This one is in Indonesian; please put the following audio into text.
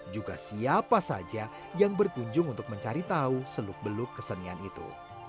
juga siapa saja yang berkunjung untuk mencari tahu seluk beluk kesenian itu